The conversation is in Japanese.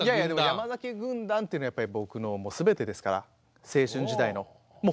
「山崎軍団」っていうのは僕の全てですから青春時代の。